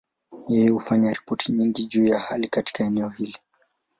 Yeye hufanya ripoti nyingi juu ya hali katika eneo hili.